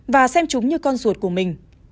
và xem chúng như con ruột của mình